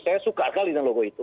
saya suka sekali dengan logo itu